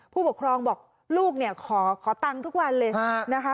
ผู้ปกครองบอกลูกเนี่ยขอตังค์ทุกวันเลยนะคะ